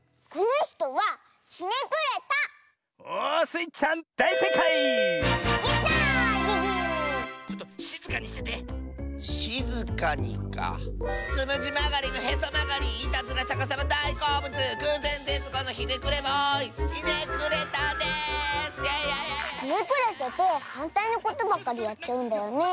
ひねくれててはんたいのことばっかりやっちゃうんだよねえ。